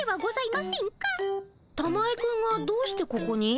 たまえくんがどうしてここに？